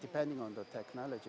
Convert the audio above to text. bergantung pada teknologi